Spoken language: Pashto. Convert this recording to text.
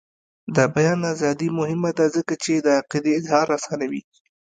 د بیان ازادي مهمه ده ځکه چې د عقیدې اظهار اسانوي.